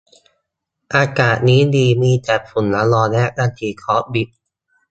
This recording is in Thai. อวกาศนี้ดี มีแต่ฝุ่นละออง และรังสีคอสมิก